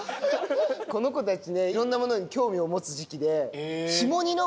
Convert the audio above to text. この子たちねいろんなものに興味を持つ時期で。